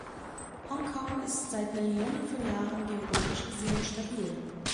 Hongkong ist seit Millionen von Jahren geologisch gesehen stabil.